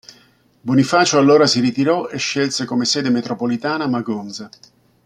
Bonifacio allora si ritirò e scelse come sede metropolitana Magonza.